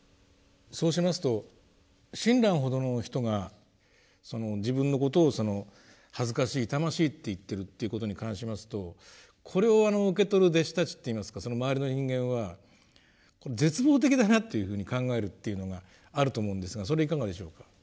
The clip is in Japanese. そうしますと親鸞ほどの人がその自分のことを「恥ずかしい傷ましい」って言ってるということに関しますとこれを受け取る弟子たちっていいますかその周りの人間は絶望的だなというふうに考えるというのがあると思うんですがそれいかがでしょうか。